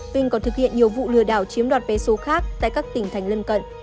vinh còn thực hiện nhiều vụ lừa đảo chiếm đoạt vé số khác tại các tỉnh thành lân cận